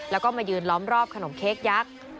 แล้วก็มายืนล้อมรอบขนมเค้กยักษ์